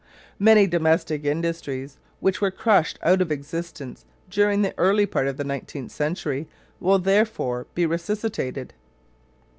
Many domestic industries which were crushed out of existence during the early part of the nineteenth century will therefore be resuscitated.